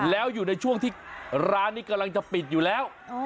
แล้วอยู่ในช่วงที่ร้านนี้กำลังจะปิดอยู่แล้ว